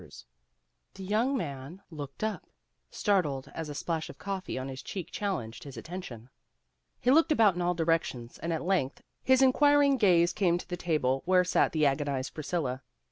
164 PEGGY RAYMOND'S WAY The young man looked up, startled as a splash of coffee on his cheek challenged his at tention. He looked about in all directions and at length his inquiring gaze came to the table where sat the agonized Priscilla.